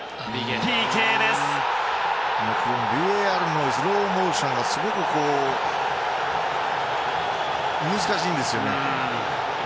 ＶＡＲのスローモーションがすごく難しいんですよね。